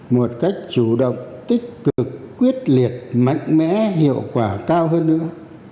một cách chủ động tích cực quyết liệt mạnh mẽ hiệu quả cao hơn nữa